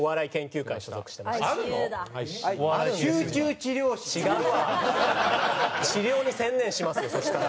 治療に専念しますよそしたら。